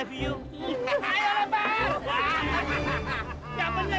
bisa nggak kalian ambilin semua